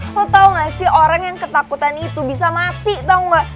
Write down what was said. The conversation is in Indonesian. lu tau gak sih orang yang ketakutan itu bisa mati tau gak